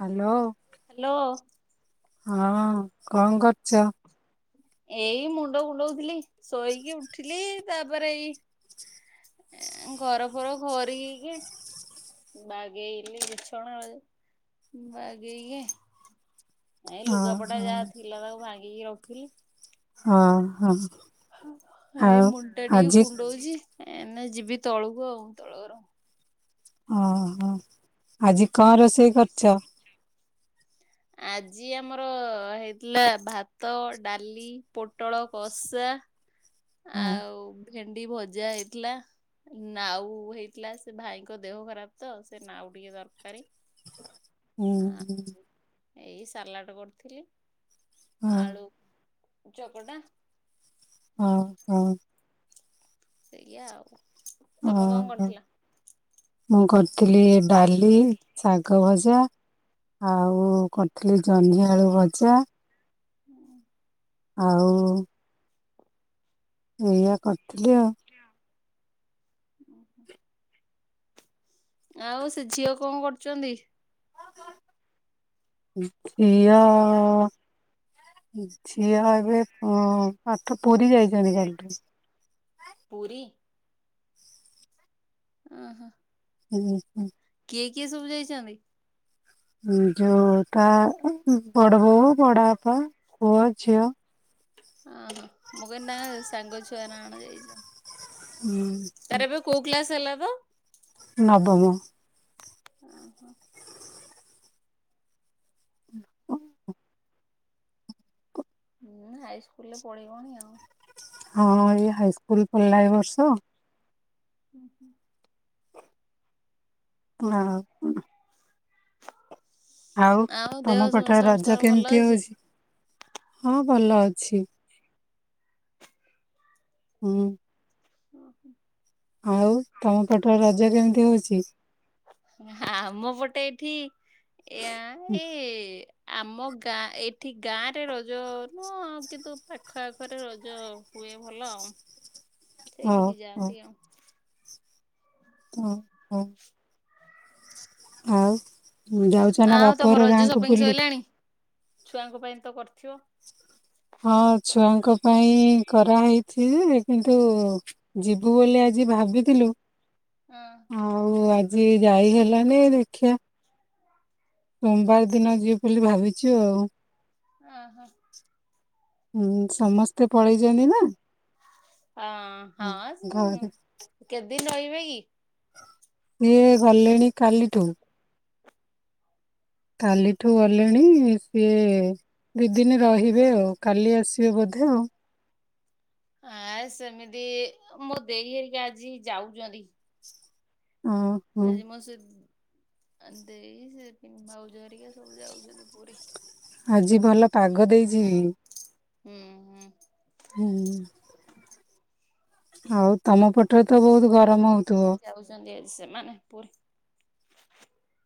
Hello. Hello. ହଁ କଣ କରୁଛ? ଏଇ ମୁଣ୍ଡ ବୁଲଉଥିଲି ଶୋଇକି ଉଠିଲି ତାପରେ ଏଇ ଘର ଫର ଘର ହେଇକି। ବାଗେ [unintelligible] ବାଗେଇକି ନାଇ ହଁ ଲୁଗାପଟା ହଁ ଯାହା ଥିଲା ତାକୁ ଭା ଇରପିଲ୍। ହଁ ହଁ। ଏଇ ଆଉ ମୁଣ୍ଟା ଟିକେ ଆଜି କୁଣ୍ଡଉଛି। ଯିବି ତଳକୁ ଆଉ ତଳରୁ। ଓହୋ ଆଜି କଣ ରୋଷେଇ କରିଛ। ଆଜି ଆମର ହେଇଥିଲା ଭାତ ଡାଲି ପୋଟଳ କଷା। ହଁ ଆଉ ଭେଣ୍ଡି ଭଜା ହେଇଥିଲା ନାଉ ହେଇଥିଲା ସେ ଭାଇଙ୍କ ଦେହ ଖରାପ ତ ସେ ନାଉ ଟିକେ ଦରକାରୀ। ହୁଁ ହ ହୁଁ ଏଇ ସାଲାଟ କରିଥିଲି। ହଁ ଆଳୁ ଚକଟା ହଁ ହଁ ସେଇଆ ଆଉ ଓ ତମେ କଣ କରିଥିଲ? ମୁଁ କ ଥିଲି ଡାଲି ଶାଗ ଭଜା ଆଉ କରିଥିଲି ଜହ୍ନିଆଳୁ ଭଜା। [inaudible] ଆଉ ଏଇଆ କରିଥିଲି ଆଉ [inaudible] ଆଉ ସେ ଝିଅ କଣ କରୁଛନ୍ତି। ହୁଁ ସେଇଆ ଆଉ ଝିଅ ଏବେ ଆଠ ପୁରୀ ଯାଇଛନ୍ତି କାଲିଠୁ। ପୁରୀ ଉଁ ହୁଁ ହୁଁ ହୁଁ କିଏ କିଏ ସବୁ ଯାଇଛନ୍ତି। ଯୋଉଟା ବଡ ବୋଉ ବଡ ବାପା ପୁଅ ଝିଅ। ହଁ ମୁଁ କହିଲି ନା ସାଙ୍ଗ ଛୁଆ କଣ ଯାଇଛନ୍ତି। ହୁଁ ତାର ଏବେ କୋଉ କ୍ଲାସ ହେଲା ତ? ନବମ ଓଃ ହୋ [unintelligible] ହୁଁ ହାଇ ସ୍କୁଲରେ ପଢେଇିବନି ଆଉ ହଁ ଏଇ ହାଇ ସ୍କୁଲ ପଲ୍ଲା ଏ ବର୍ଷ ହୁଁ ହୁଁ ନା ଆଉ ଦେହ ତମ ପଟରେ ରଜ ସମସ୍ତଙ୍କର ଭଲ କେମିତି ଅଛି? ହଉଛି। ହଁ ଭଲ ଅଛି। ହୁଁ [inaudible] ଆଉ ତମ ପାଟ ରାଜ କେମତି? ହଉଛି ଆମ ପଟେ ଏଇଠି ଏୟା ଏଇ ଆମ ଗାଁ, ଏଠି ଗାଁରେ ରଜ ନୁହ, କିନ୍ତୁ ପାଖ ଆଖରେ ରଜ ହୁଏ ଭଲ ଆଉ। ହଉ ସେଇଠିକି ଯାଆନ୍ତି ଆଉ। ହଁ। ହଉ। ଆଉ। ଉନ୍ ଯାଉଚ ନା କଣ ଆଉ ତମ ବାପଘର ରଜ ଗାଁକୁ ସପିଙ୍ଗ ବୁଲି? ସଇଲାଣି ଛୁଆଙ୍କ ପାଇଁ ତ କରିଥିବ? ହଁ ଛୁଆଙ୍କ ପାଇଁ କରାହେଇଚି। କିନ୍ତୁ ଯିବୁ ବୋଲି ଆଜି ଭାବିଥିଲୁ। ହଁ ଆଉ ଆଗ୍ ଯିଏ ଯାଇ ହେଲାନି ଦେଖିବା। ସୋମବାର ଦିନ ଯିବ ବୋଲି ଭାବିଚୁ ଆଉ। ଓ ହୋ। ହୁଁ, ସମସ୍ତେ ପଳେଇଚନ୍ତି ନା। ହଁ, ହଁ ଘରେ କେତ୍ ଦିନ ରହିବେ କି? ସିଏ ଗଲେଣି କାଲିଠୁ। କାଲିଠୁ ଗଲେଣି। ସିଏ ଦି ଦିନ ରହିବେ ଆଉ। କାଲି ଆସିବେ ବୋଧେ ଆଉ। ଆଁ ସେମିତି ମୁଁ ଦେଇ ହେଇକା ଆଜି ଯାଉଚନ୍ତି। ଓହୋ ହେଲେ ମ ସେ ଆ ଦେଇ ସେ ଭାଉଜ ହରିକା ସବୁ ଯାଉଚନ୍ତି ପୁରୀ। ଆଜି ଭଲ ପାଗ ଦେଇଚିବି। ହୁଁ, ହୁଁ। ହୁଁ। ଆଉ ତମ ପଟ୍ ସେ [unintelligible] ଯାଉଚନ୍ତି ସେମାନେ ପୁ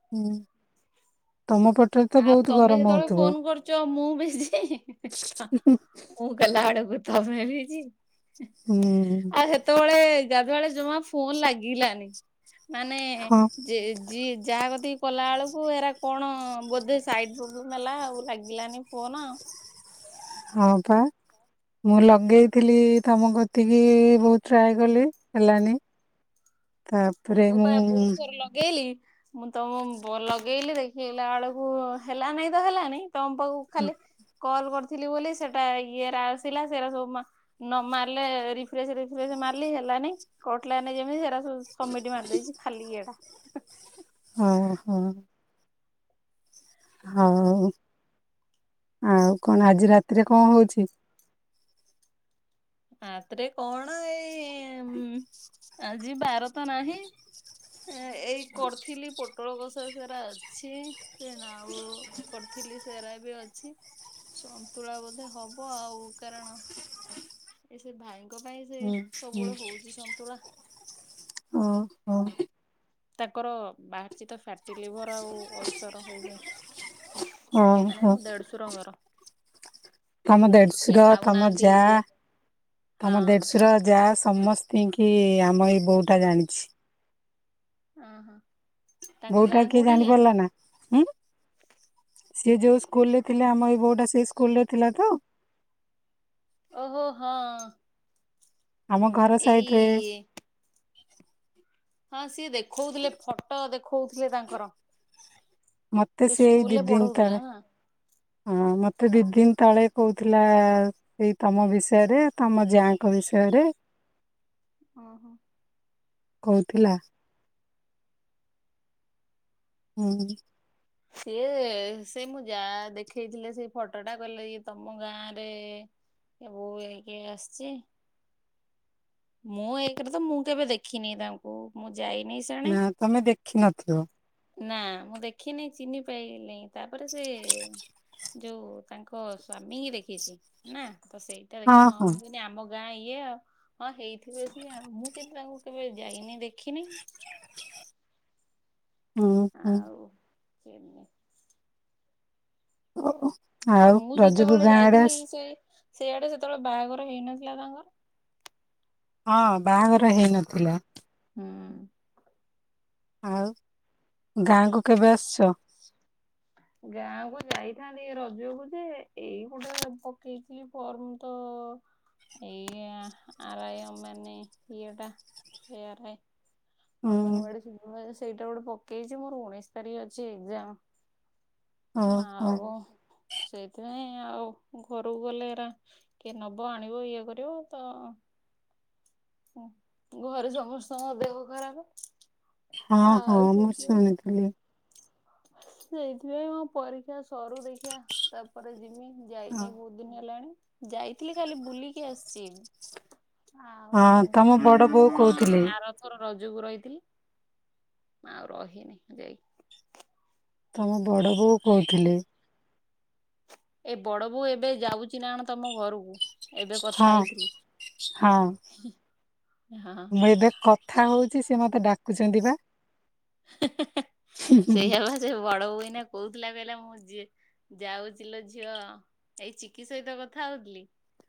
ହୁଁ। ତମ ପଟରେ ତ ଆଉ ବହୁତ ତମେ ଗରମ ଯେତେବେଳେ ହଉଥିବ ଫୋନ କରୁଚ, ମୁଁ ବି ସେଇ, ହୁଁ ମୁଁ କଲା ବଳକୁ ତମେ ବିଜି। ଆଉ ସେତେବେଳେ ଗାଧୁଆବେଳେ ଜମା ଫୋନ ଲାଗିଲାନି। ମାନେ ହଁ ଯେ ଯିଏ ଯାହା କଦି କଲା ବେଳକୁ ଏରା କଣ ବୋ ଲାଗିଲାନି ଫୋନ। ହଁ ପା, ମୁଁ ଲଗେଇଥିଲି ତମ କତିକି, ବହୁତ ଟ୍ରାଏ କଲି ହେଲାନି। ମୁଁ ପା ବହୁତ ଥର ଲଗେଇଲି। ମୁଁ ତମ ବ ଲଗେଇଲି ଦେଖିଲା ଆଳକୁ ହେଲା ନାଇଁ ତ ହେଲାନାଇଁ ତମ ପାଖକୁ ଖାଲି କଲ୍ କରି ଥିଲି ବୋଲି ସେଟା ଇଏରେ ଆସିଲା। ସେରା ସବୁ ମା ନମାରିଲେ ରିଫ୍ରେସ୍ ରିଫ୍ରେସ ମାରିଲି, ହେଲାନାଇ। କଟିଲାନାଇ ଯେମିତି ହେରାସବୁ ସବମିଟ୍ ମାରିଦେଇଛି ଖାଲି ଇଏଟା। ହୁଁ ହୁଁ। ହଉ ଆଉ କଣ ଆଜି ରାତିରେ କଣ ହୋଉଛି? ରାତିରେ କଣ ଏଇ ଉଁ, ଆଜି ବାର ତ ନାହିଁ। ଏ ଏଇ କରିଥିଲି ପୋଟ୍ ପୋଟଳ କଷା ସେରା ଅଛି ସେ ନାଉ କରିଥିଲି ସେରା ବି ଅଛି ସନ୍ତୁଳା ବୋଧେ ହବ ଆଉ କାରଣ ଏ ସେ ଭାଇ ହୁଁ ହୁଁ ଉଁ ଉଁ ତାଙ୍କର ବାହାରିଚ୍ ତ ଫ୍ୟାଟ ଲିଭର ଆଉ ଅଲସର ହେଇଯାଏ। ମାନେ ଓହୋ ମୁଁ ଦେଢସୁର ଙ୍କର। ତମ ଦେଢଶୁର ତମ ଯା ଇଏ ହଁ ତମ ଦେଢଶୁର ଯା ସ ସମସ୍ତିଙ୍କି ଆମ ଏଇ ବୋହୁ ଟା ଜାଣିଛି। ଓହୋ। ତାଙ୍କ ବୋଉଟା ଗାଁ କିଏ କୋଉଠି କି? ଜାଣିପାରିଲ ନାଁ ସିଏ ଯୋଉ ସ୍କୁଲ ଥିଲେ ଆମ ଏଇ ବୋଉଟା ସେଇ ସ୍କୁଲ ରେ ଥିଲା ତ। ଓହୋ ହଁ। ଆମ ଘର ସାଇଡ ରେ ଏଇ ହଁ ସିଏ ଦେଖୋଉଥିଲେ ଫଟୋ ଦେଖଉ କିଏ ତାଙ୍କର। ମତେ ସେ ସେଏଇ ଦି ସ୍କୁଲରେ ଦିନ ପଢଉଥିଲେ ତଳେ ନା। ହଁ ମତେ ଦିଦିିନ ତଳେ କହୁ ଥିଲା ସେଇ ତମ ବିଷୟରେ ତମ ଜା ଙ୍କ ବିଷୟରେ। ଓହୋ। କହୁଥିଲା। ହୁଁ। ସିଏ ସେ ମୋ ଯା ଦେଖେଇଥିଲେ ସେ ଫଟୋଟା କଲେ ଇଏ ତମ ଗାଁ ରେ ବୋଉ ହେଇକି ଆସିଛି। ମୁଁ ଏକରେ ତ ମୁଁ କେବେ ଦେଖିନି ତାଙ୍କୁ ମୁଁ ଯାଇନି ସେଣେ ନା ତମେ ଦେଖିନଥିବ। ନା ମୁଁ ଦେଖିନି ଚିନି ପାଇଲିନେଇଁ। ତାପରେ ସେ ଯୋଉ ତାଙ୍କ ସ୍ଵାମୀ ହି ଦେଖିଛି ନା? ତ ସେଇଟା ଦେଖି ହଁ ମୁଁ କହିନି ଆମ ଗାଁ ଇଏ ଆଉ। ହଁ ହେଇ ଆଉ ମୁଁ କେମିତ କେବେ ଯାଇନି ଦେଖିନେଇ। ହୁଁ ହୁଁ ଆଉ [unintelligible] ଓ ଆଉ ମୁଁ ରଜକୁ ଯେତେବେଳେ ଗାଁ ଆଡେ ଯାଇଥିଲି ଆସି ସେ ସେଆଡେ ସେତେବେଳେ ବାହାଘର ହେଇନଥିଲା ତାଙ୍କର [inaudible] ହଁ ବାହାଘର ହେଇନଥିଲା। ହୁଁ। ଆଉ ଗାଁକୁ କେବେ ଆସଛ? [inaudible] ଗାଁ କ ଯାଇଥାନ୍ତି ରଜକୁ ଯେ ଏଇ ଗୋଟେ ପକେଇଥିଲି ଫର୍ମ ତ ଏଇ ଆରୟ ମାନେ ଇଏ ଟା ଏ ଆରୟ ହୁଁ ଅଙ୍ଗନବାଡ଼ି ସୁ ସେଇଟା ଗୋଟେ ପକେଇଛି ମୋର ଉଣେଇଶ ତାରିଖ ଅଛି ଏଜାମ। ଓହୋ ଆଉ ସେଇଥିପାଇଁ ଆଉ ଘରକୁ ଗଲେ ଏରା କିଏ ନବ ଆଣିବ ଇଏ କରିବ ତ। ଘରେ ସମସ୍ତଙ୍କ ଦେହ ଖରାପ। ହଁ ଆଉ ହଁ ମୁଁ ଶୁଣିଥିଲି। ସେଇଥିପାଇଁଁ ପରୀକ୍ଷା ସରୁ ଦେଖିବା ତାପରେ ଯିମି। ଯାଇନି ବହୁତ ଦିନ ହେଲାଣି। ଯାଇଥିଲି ଖାଲି ବୁଲିକି ଆସିଛି। ଆଉ ହଁ କେନ୍ତୁ ତମ ବଡ [unintelligible] ବୋଉ କହୁଥିଲେ ଆର। ରଜକୁ ରହିଥିଲି [inaudible] ଆଉ ରହିନିଁ ଯାଇ। ତମ ବଡ ବୋଉ କହୁଥିଲେ। ଏ ବଡ ବୋଉ ଏବେ ଯାଉଛି ନା ତମ ଘରକୁ। ଏବେ କଥା ହଁ ହେଇଥିଲି [inaudible] ହଁ। ହଁ [unintelligible] କଥା ହଉଛି ସେ ମତେ ଡାକୁଛନ୍ତି ବା। [inaudible] ସେଇଆ ବା ସେ ବଡବୋଉ ଏଇନା କହୁଥିଲା କହିଲା ମୁଁ ଜି ଯାଉଛି ଝିଅ ଏଇ ଚିକି ସହିତ କଥା ହଉଥିଲି।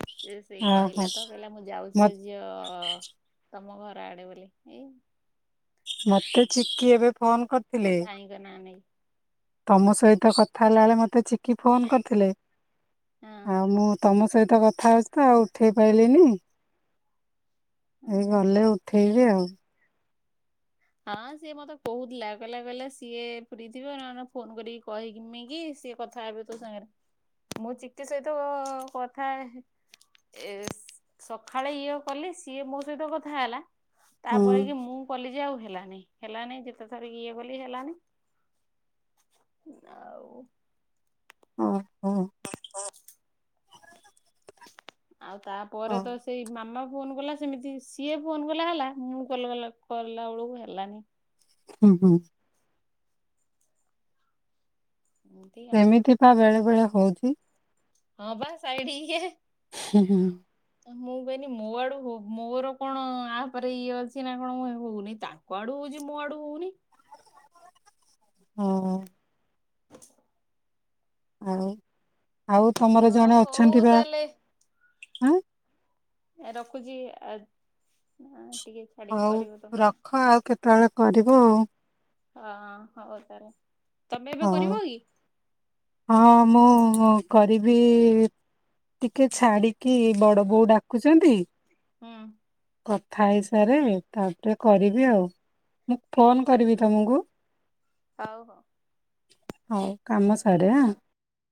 ସେ ସେଇ ଓହୋ କହିଲା ତ କହିଲା ମୁଁ ଯାଉଚି ମତେ ଲୋ ଝିଅ ତମ ଘର ଆଡେ ବୋଲି ଏଇ ମତେ ଚିକିକି ଏବେ ଫୋନ କରିଥିଲେ ଭାଇଙ୍କ ନାଁ ନେଇକି [inaudible] ତମ ସହିତ କଥା ହେଲା ବଳେ ମତେ ମୋତେ ଚିକି ଫୋନ କରିଥିଲେ। ହଁ ଆଉ ମୁଁ ତମ ସହିତ କଥା ହୋଉଚି ଆଉ ଉଠେଇ ପାରଲିିନି। ଏଇ ହଁ। ଗଲେ ଉଠେଇବି ଆଉ। [inaudible] ହଁ ସିଏ ମତେ କହୁଥିଲା, କହିଲା କହିଲା ସିଏ ଫ୍ରି ଥିବ ନ ଫୋନ କରିକି କହିକିମ କି ସିଏ କଥା ହେବେ ତୋ ସାଙ୍ଗରେ ମୁଁ ଚିକେ ସହିତ କଥା ଏ ସକାଳେ ଇଏ କଲି ସିଏ ମୋ ସହିତ କଥା ହେଲା। ହୁଁ ତାପରେ କି ମୁଁ କଲି ଯେ ଆଉ ହେ ହେଲାନି ହେଲାନି ଯେତେଥର ଇଏ ବୋଲି ହେଲାନି ଆଉ ହଁ ହଁ [unintelligible] ଆଉ ତାପରେ ହଉ ତ ସେଇ ମାମା ଫୋନ କଲା ସେମିତି ସିଏ ଫୋନ କଲା ହେଲା ମୁଁ କଲା ବେଳକୁ ହେଲାନି। ହୁଁ ହୁଁ ଏମିତି ଆଉ ସେମିତି ବା ବେଳେ ସେଭଳିଆ ହଉଛି। ହଁ ବାସ୍ ସାଇଡ ଇଏ ହୁଁ ମୁଁ କହନି ମୋ ଆଡୁ ହଉ ମୋର କଣ ଆପରେ ଇଏ ଅଛି ନା କଣ ହଉନି ତାଙ୍କ ଆଡୁ ହଉଛି ମୋ ଆଡୁ ହଉନି। ହଁ [inaudible] ଆଉ ଆଉ ତମର ଜଣେ ହଁ ହଉ ଅଛନ୍ତି ବା ତାହେଲେ ଆଁ ରଖୁଛି ଆ ହଉ ରଖ ଆଉ କେତେବେଳେ କରିବୁ ଆଉ ହଁ ହଉ ତାହାଲେ ତମେ ଏବେ ଆଉ କରିବ କି? ହଁ ମୁଁ କରିବି ଟିକେ ଛାଡିକି ବଡ ବୋଉ ଡାକୁଛନ୍ତି। ହଁ କଥା ହେଇସାରେ ତାପରେ କରିବି ଆଉ ମୁ ଫୋନ୍ କରିବି ହଁ। ତୁମକୁ? ହଉ ହଉ। ହଉ କାମ ଆରେଆ